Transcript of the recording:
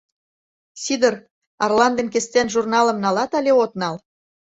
Сидыр, «Арлан ден Кестен» журналым налат але от нал?